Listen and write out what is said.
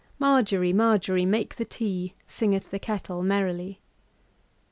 Margery, Margery, make the tea, Singeth the kettle merrily.